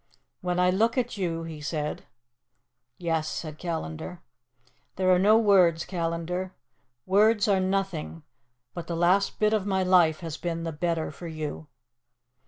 "When I look at you," he said. "Yes," said Callandar. "There are no words, Callandar. Words are nothing but the last bit of my life has been the better for you."